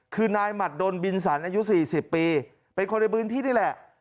คือนายหมัดดนบินสันอายุ๔๐ปีเป็นคนในพื้นที่นี่แหละ